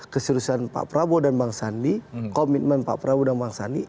keseriusan pak prabowo dan bang sandi komitmen pak prabowo dan bang sandi